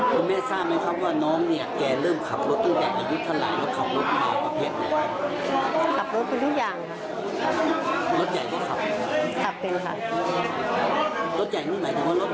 คุณไม่ทราบไหมครับว่าน้องเนี่ยเริ่มขับรถต้นแดกอายุขนาดไหนแล้วขับรถกับเขาประเภทไหน